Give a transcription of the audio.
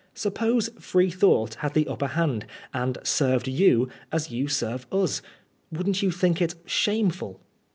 Suppose Freethought had the upper hand, and served you as you serve us : wouldn't you think it shameful